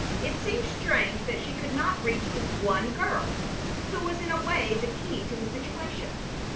It seemed strange that she could not reach this one girl who was in a way the key to the situation.